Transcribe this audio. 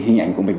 hình ảnh của mình